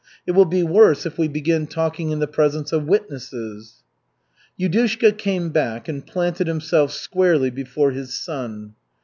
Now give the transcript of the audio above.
"It will be worse if we begin talking in the presence of witnesses." Yudushka came back and planted himself squarely before his son.